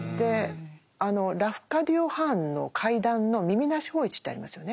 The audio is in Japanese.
ラフカディオ・ハーンの「怪談」の「耳なし芳一」ってありますよね。